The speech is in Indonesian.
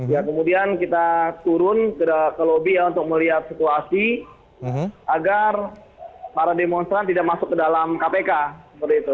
ya kemudian kita turun ke lobby ya untuk melihat situasi agar para demonstran tidak masuk ke dalam kpk seperti itu